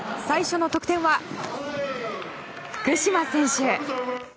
最初の得点は、福島選手。